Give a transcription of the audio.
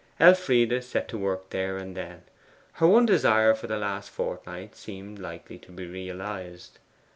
Elfride set to work there and then. Her one desire for the last fortnight seemed likely to be realized.